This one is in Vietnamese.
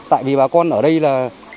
tại vì bà con ở đây là